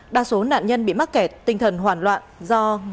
đa số nạn nhân bị mắc kẹt tinh thần hoàn loạn do